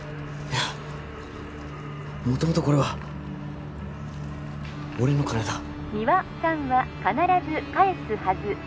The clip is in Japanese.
いやもともとこれは俺の金だ☎三輪さんは必ず返すはず